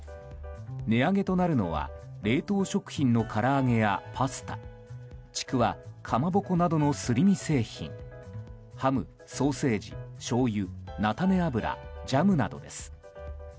値上げとなるのは冷凍食品のから揚げやパスタちくわ、かまぼこなどのすり身製品ハム・ソーセージ、しょうゆ菜種油、ジャムなどです。